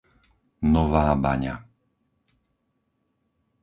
Nová Baňa